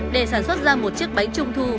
để sản xuất ra một chiếc bánh trung thu